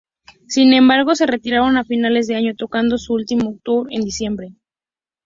Sin embargo se retiraron a finales de año tocando su último tour en diciembre.